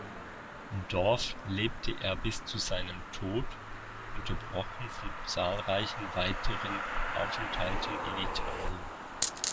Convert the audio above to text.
Dorf lebte er bis zu seinem Tod, unterbrochen von zahlreichen weiteren Aufenthalten in Italien.